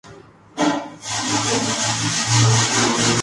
Se recibió cuando regresó de estudiar en Estados Unidos.